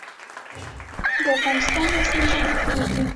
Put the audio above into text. د افغانستان رسمي ژبې کومې دي؟